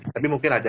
tapi mungkin ada